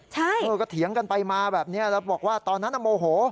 ใช่เออก็เถียงกันไปมาแบบนี้แล้วบอกว่าตอนนั้นโมโห